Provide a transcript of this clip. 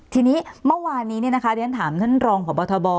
ทีนี้เมื่อวานนี้เนี่ยนะคะเรียนถามท่านรองของบทบ